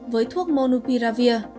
với thuốc monupiravir